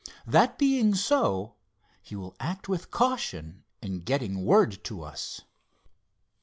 That being so, he will act with caution in getting word to us."